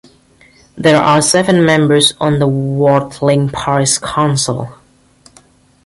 There are seven members on the Wartling Parish Council.